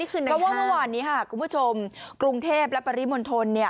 เพราะว่าเมื่อวานนี้คุณผู้ชมกรุงเทพและปริมณฑล